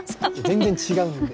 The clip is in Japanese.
全然違うんで。